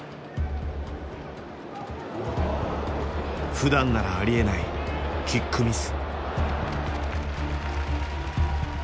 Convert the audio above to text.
ふだんならありえないキックミス。